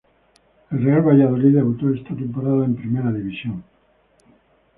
El Real Valladolid debutó esta temporada en Primera División.